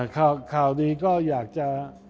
ครอบครัวดีก็อยากจะ